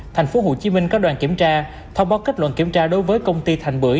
tp hcm có đoàn kiểm tra thông báo kết luận kiểm tra đối với công ty thành bưở